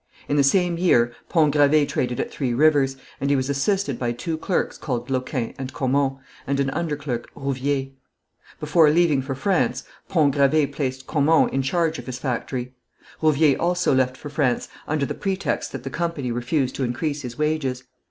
In the same year Pont Gravé traded at Three Rivers, and he was assisted by two clerks called Loquin and Caumont, and an underclerk, Rouvier. Before leaving for France, Pont Gravé placed Caumont in charge of his factory. Rouvier also left for France, under the pretext that the company refused to increase his wages.